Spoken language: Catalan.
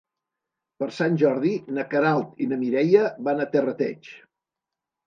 Per Sant Jordi na Queralt i na Mireia van a Terrateig.